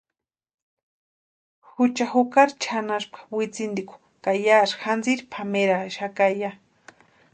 Jucha jukari chʼanaspka witsintikwa ka yásï jantsiri pʼameraaxaka ya.